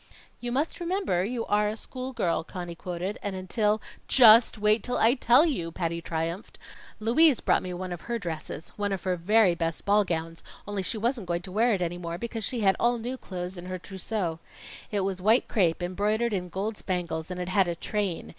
"You must remember you are a school girl," Conny quoted, "and until " "Just wait till I tell you!" Patty triumphed. "Louise brought me one of her dresses one of her very best ball gowns, only she wasn't going to wear it any more, because she had all new clothes in her trousseau. It was white crêpe embroidered in gold spangles, and it had a train.